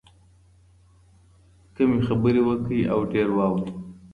کمې خبرې وکړئ او ډېر واورئ.